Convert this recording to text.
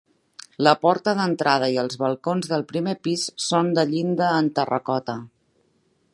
La porta d'entrada i els balcons del primer pis són de llinda en terracota.